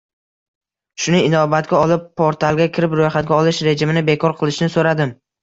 Shuni inobatga olib, portalga kirib, ro'yxatga olish rejimini bekor qilishni so'radim